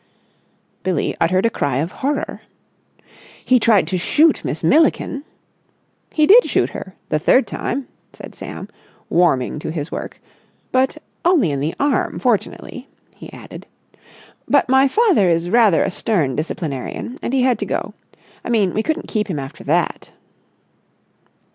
Billie uttered a cry of horror. "He tried to shoot Miss Milliken!" "He did shoot her—the third time," said Sam, warming to his work. "Only in the arm, fortunately," he added. "But my father is rather a stern disciplinarian and he had to go. I mean, we couldn't keep him after that."